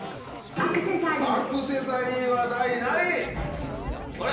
アクセサリーは第何位⁉あれ？